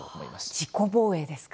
自己防衛ですか。